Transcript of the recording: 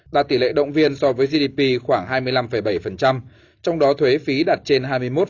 đạt tỷ lệ động viên so với gdp khoảng hai mươi năm bảy trong đó thuế phí đạt trên hai mươi một tám